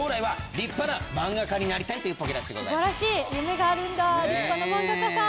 立派な漫画家さん。